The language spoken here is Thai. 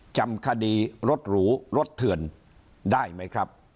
จำคดีรถหรูรถเถื่อนได้ไหมครับ